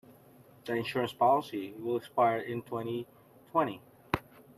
The insurance policy will expire in twenty-twenty.